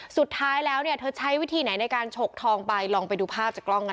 นี่ยัดแล้วนี่นี่เห็นไหมคะ